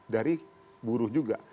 dari buruh juga